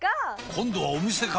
今度はお店か！